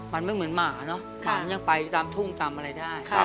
มันไม่เหมือนหมาเนอะหมามันยังไปตามทุ่งตามอะไรได้